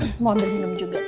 mau ambil minum juga